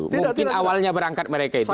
mungkin awalnya berangkat mereka itu